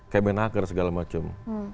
kemenaker segala macam